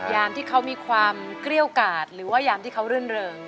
ยามที่เขามีความเกลี้ยวกาดหรือว่ายามที่เขารื่นเริง